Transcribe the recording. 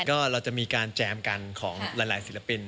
ก็เราจะมีการแจมกันของหลายศิลปิน